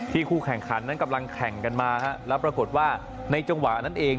คู่แข่งขันนั้นกำลังแข่งกันมาแล้วปรากฏว่าในจังหวะนั้นเอง